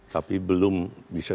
tapi belum bisa